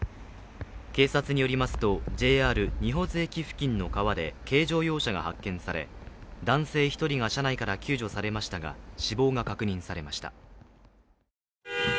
警察によりますと、ＪＲ仁保津駅付近の川で軽乗用車が発見され、男性１人が車内から救助されましたが、死亡が確認されました。